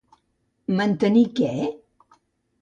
Mantenir què?